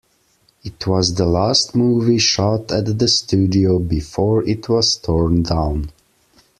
It was the last movie shot at the studio before it was torn down.